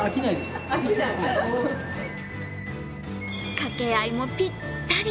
掛け合いもぴったり。